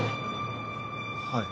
はい。